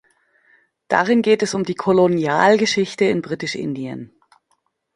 Darin geht es um die Kolonialgeschichte in Britisch-Indien.